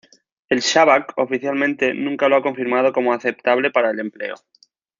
El Shabak, oficialmente, nunca lo ha confirmado como aceptable para el empleo.